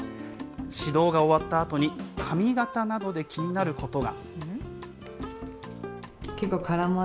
指導が終わったあとに、髪形などで気になることが。